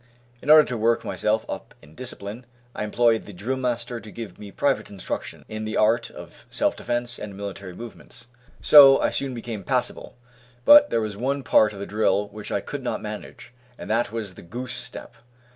In order to work myself up in discipline, I employed the drillmaster to give me private instruction, in the art of self defence and military movements; so I soon became passable; but there was one part of the drill which I could not manage, and that was the goose step.